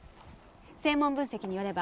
声紋分析によれば。